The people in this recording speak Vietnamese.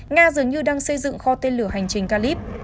nga dường như đang xây dựng kho tên lửa hành trình calip